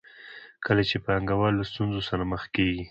کله چې پانګوال له ستونزو سره مخ کېږي